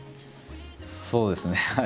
そうですねはい。